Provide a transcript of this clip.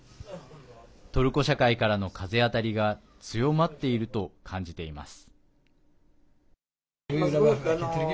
トルコ社会からの風当たりが強まっていると感じています。